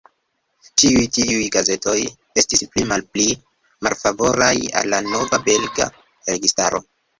Ĉiuj tiuj gazetoj estis pli malpli malfavoraj al la nova belga registaro.